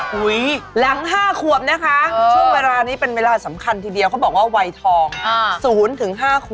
หลัง๕ขวบนะคะช่วงเวลานี้เป็นเวลาสำคัญทีเดียวเขาบอกว่าวัยทอง๐ถึง๕ขวบ